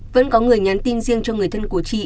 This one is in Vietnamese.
vẫn có người nhắn tin riêng cho người thân của chị